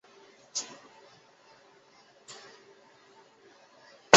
他还获清朝皇帝赏赐蟒袍衣料。